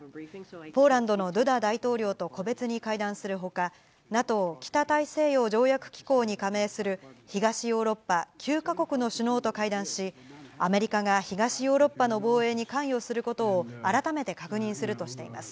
ポーランドのドゥダ大統領と、個別に会談するほか、ＮＡＴＯ・北大西洋条約機構に加盟する、東ヨーロッパ９か国の首脳と会談し、アメリカが東ヨーロッパの防衛に関与することを、改めて確認するとしています。